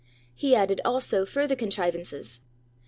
He added, also, further contrivances.